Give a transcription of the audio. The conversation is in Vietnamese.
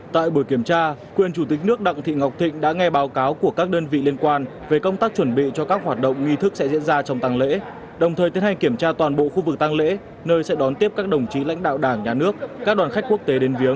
tại buổi kiểm tra quyền chủ tịch nước đặng thị ngọc thịnh đã nghe báo cáo của các đơn vị liên quan về công tác chuẩn bị cho các hoạt động nghi thức sẽ diễn ra trong tăng lễ đồng thời tiến hành kiểm tra toàn bộ khu vực tăng lễ nơi sẽ đón tiếp các đồng chí lãnh đạo đảng nhà nước các đoàn khách quốc tế đến viếng